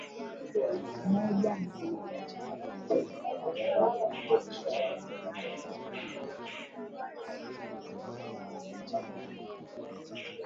moja milioni zilitolewa kwa makampuni hayo Jumatatu kulipa sehemu ya deni hilo